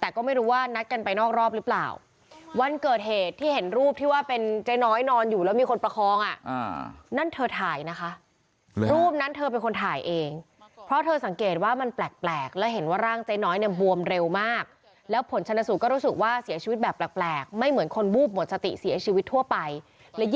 แต่ก็ไม่รู้ว่านัดกันไปนอกรอบหรือเปล่าวันเกิดเหตุที่เห็นรูปที่ว่าเป็นเจ๊น้อยนอนอยู่แล้วมีคนประคองอ่ะนั่นเธอถ่ายนะคะรูปนั้นเธอเป็นคนถ่ายเองเพราะเธอสังเกตว่ามันแปลกแล้วเห็นว่าร่างเจ๊น้อยเนี่ยบวมเร็วมากแล้วผลชนสูตรก็รู้สึกว่าเสียชีวิตแบบแปลกไม่เหมือนคนวูบหมดสติเสียชีวิตทั่วไป